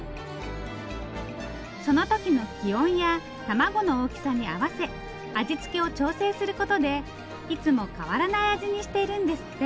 その時の気温や卵の大きさに合わせ味付けを調整することでいつも変わらない味にしているんですって。